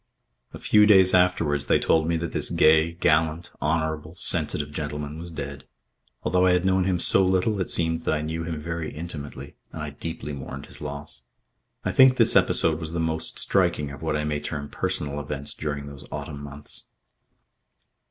A few days afterwards they told me that this gay, gallant, honourable, sensitive gentleman was dead. Although I had known him so little, it seemed that I knew him very intimately, and I deeply mourned his loss. I think this episode was the most striking of what I may term personal events during those autumn months.